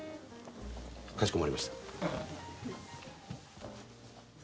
かしこまりました。